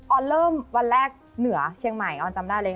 ออนเริ่มวันแรกเหนือเชียงใหม่ออนจำได้เลย